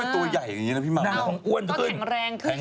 แล้วทำไมตัวใหญ่อย่างงี้นะพี่มัมนั่นจะตั้งทั้งแรงเกิดไหมนั่นก็แข็งแรงขึ้น